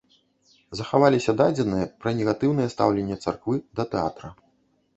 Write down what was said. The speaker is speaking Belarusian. Захаваліся дадзеныя пра негатыўнае стаўленне царквы да тэатра.